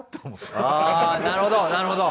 あぁなるほどなるほど。